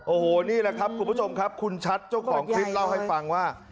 โอ้โหนี่แหละครับคุณผู้ชมครับคุณชัดเจ้าของคลิปเล่าให้ฟังว่า